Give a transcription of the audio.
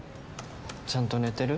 「ちゃんと寝てる？」